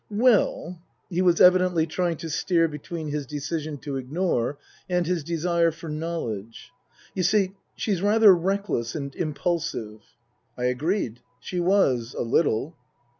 " Well " he was evidently trying to steer between his decision to ignore and his desire for knowledge " you see, she's rather reckless and impulsive/' I agreed. She was a little.